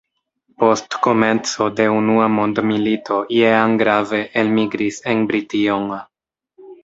Post komenco de Unua mondmilito Jean Grave, elmigris en Brition.